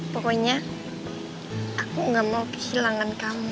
pokoknya aku gak mau kehilangan kamu